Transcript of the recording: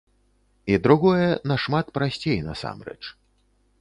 І другое нашмат прасцей насамрэч.